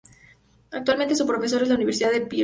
Actualmente es profesor en la Universidad de Princeton.